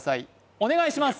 お願いします